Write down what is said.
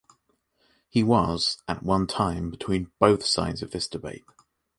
He was, at one time, in between both sides of this debate.